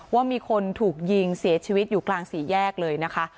ว่ามีคนถูกยิงเสียชีวิตอยู่กลางสี่แยกเลยนะคะ